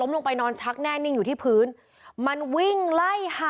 ลงไปนอนชักแน่นิ่งอยู่ที่พื้นมันวิ่งไล่หา